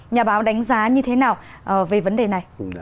nhà báo đánh giá như thế nào về vấn đề này